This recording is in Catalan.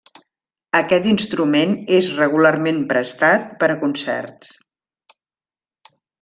Aquest instrument és regularment prestat per a concerts.